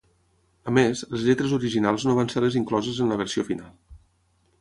A més, les lletres originals no van ser les incloses en la versió final.